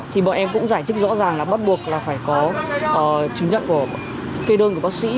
thì bọn em cũng giải thích rõ ràng là bắt buộc là phải có chứng nhận của kê đơn của bác sĩ